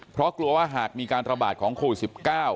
เพราะกลัวว่าหากมีการระบาดของโควิด๑๙